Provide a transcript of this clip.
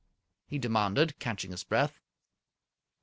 he demanded, catching his breath.